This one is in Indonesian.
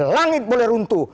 langit boleh runtuh